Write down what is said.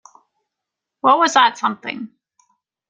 What was that something?